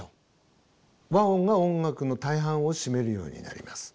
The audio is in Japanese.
和音が音楽の大半を占めるようになります。